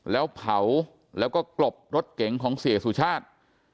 แล้วเผาแล้วก็กลบรถเก๋งของเสียสุชาติ